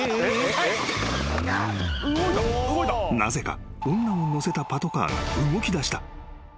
［なぜか女を乗せたパトカーが動きだした］